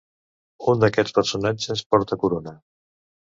Un d'aquests personatges porta corona.